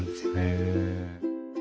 へえ。